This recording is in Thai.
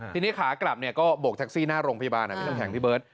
ทีนี้ขากลับเนี่ยก็โบกแท็กซี่หน้าโรงพยาบาลพี่น้ำแข็งพี่เบิร์ต